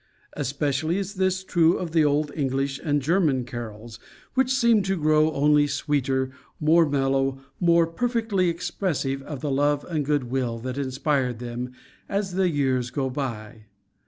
Especially is this true of the old English and German carols, which seem to grow only sweeter, more mellow, more perfectly expressive of the love and good will that inspired them, as the years go by.